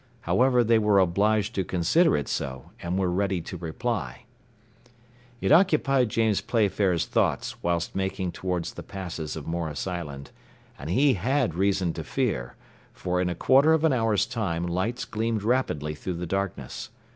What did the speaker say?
However, they were obliged to consider it so, and were ready to reply. It occupied James Playfair's thoughts whilst making towards the passes of Morris Island; and he had reason to fear, for in a quarter of an hour's time lights gleamed rapidly through the darkness.